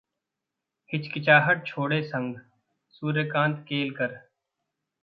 हिचकिचाहट छोड़े संघ: सूर्यकांत केलकर